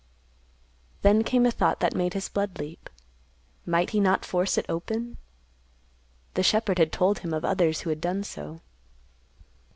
Then came a thought that made his blood leap. Might he not force it open? The shepherd had told him of others who had done so.